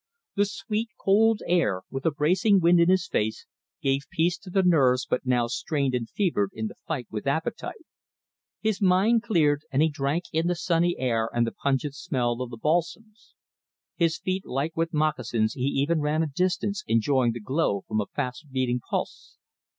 The sweet, cold air, with a bracing wind in his face, gave peace to the nerves but now strained and fevered in the fight with appetite. His mind cleared, and he drank in the sunny air and the pungent smell of the balsams. His feet light with moccasins, he even ran a distance, enjoying the glow from a fast beating pulse.